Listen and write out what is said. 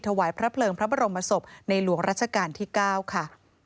ถวายพระเพลิงพระบรมศพในหลวงรัชกาลที่๙ค่ะ